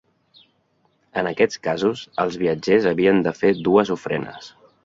En aquests casos, els viatgers havien de fer dues ofrenes.